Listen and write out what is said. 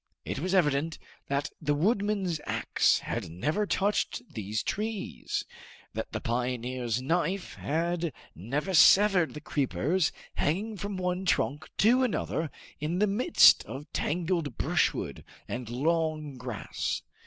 It was evident that the woodman's axe had never touched these trees, that the pioneer's knife had never severed the creepers hanging from one trunk to another in the midst of tangled brushwood and long grass.